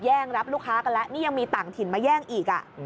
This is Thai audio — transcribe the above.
รับลูกค้ากันแล้วนี่ยังมีต่างถิ่นมาแย่งอีก